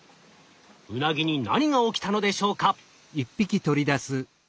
ウナギに何が起きたのでしょうか？